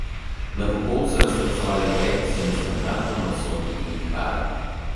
Навукоўцы распрацавалі праект сямі стандартаў на сокі і нектары.